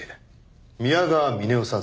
宮川峰夫さん